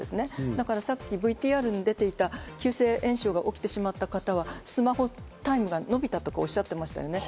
だからさっきＶＴＲに出ていた急性炎症が起きてしまった方はスマホタイムが延びたとかおっしゃってましたね。